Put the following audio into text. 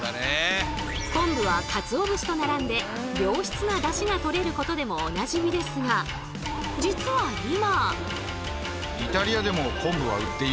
昆布はかつお節と並んで良質なだしがとれることでもおなじみですが実は今。